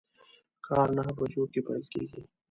کار نهه بجو کی پیل کیږي